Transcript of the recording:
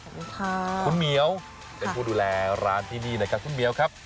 สวัสดีค่ะคุณเหมียวเป็นผู้ดูแลร้านที่นี่นะครับคุณเหมียวครับ